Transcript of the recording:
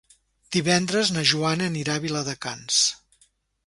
Divendres na Joana anirà a Viladecans.